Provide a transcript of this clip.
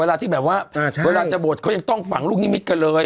เวลาที่แบบว่าอ่าใช่เวลาจะโบสถ์เค้ายังต้องฝังลูกนิมิตกันเลย